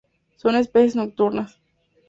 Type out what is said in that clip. Son especies nocturnas.